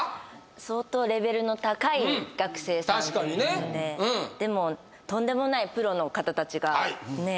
相当レベルの高い学生さんということででもとんでもないプロの方たちがねえ